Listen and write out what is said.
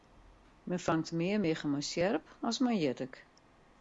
Men fangt mear miggen mei sjerp as mei jittik.